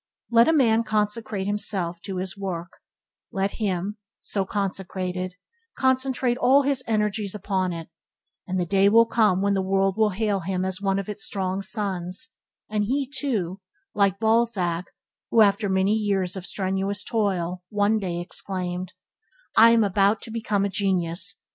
Let a man consecrate himself to his work, let him, so consecrated, concentrate all his energies upon it, and the day will come when the world will hail him as one of its strong sons; and he, too, like Balzac who, after many years of strenuous toil, one day exclaimed, "I am about to become a genius!